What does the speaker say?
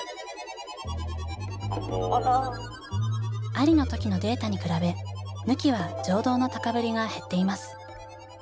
「あり」の時のデータに比べ「抜き」は情動の高ぶりが減っています。